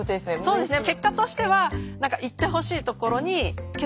そうですね。